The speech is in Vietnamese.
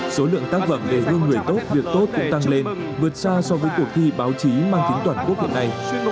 số lượng tác phẩm đề gương người tốt việc tốt cũng tăng lên vượt xa so với cuộc thi báo chí mang tính toàn quốc hiện nay